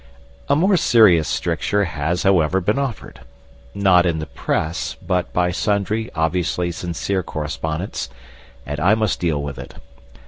A more serious stricture has, however, been offered not in the press, but by sundry obviously sincere correspondents and I must deal with it.